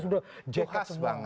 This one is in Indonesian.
sudah jahat semua